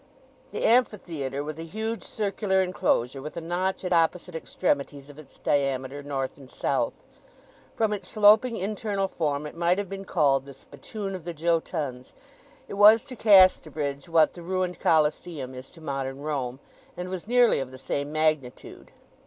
The Amphitheatre was a huge circular enclosure, with a notch at opposite extremities of its diameter north and south. From its sloping internal form it might have been called the spittoon of the Jötuns. It was to Casterbridge what the ruined Coliseum is to modern Rome, and was nearly of the same magnitude.